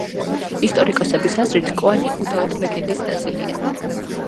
ისტორიკოსების აზრით კოანი უდაოდ ლეგენდის ნაწილია.